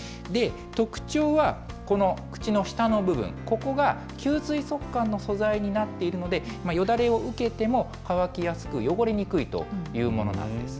特徴はこの口の下の部分、ここが吸水速乾の素材になっているので、よだれを受けても乾きやすく、汚れにくいというものなんです。